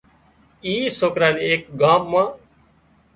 اِي سوڪرا نُون ايڪ ڳام مان